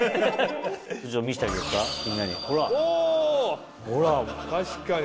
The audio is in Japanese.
みんなに。